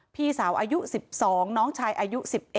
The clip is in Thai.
พี่สาวอายุ๑๒น้องชายอายุ๑๑